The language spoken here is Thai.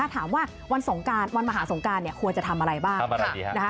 ถามว่าวันสงการวันมหาสงการควรจะทำอะไรบ้าง